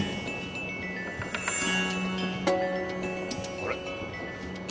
あれ？